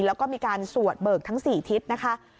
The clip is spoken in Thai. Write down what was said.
แล้วก็มีการสวดเบิกทั้ง๔ทิศนะคะ